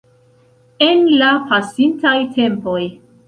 En la pasintaj tempoj.